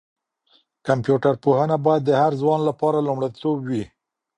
کمپيوټر پوهنه باید د هر ځوان لپاره لومړیتوب وي.